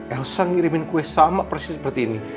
elsa ngirimin kue sama persis seperti ini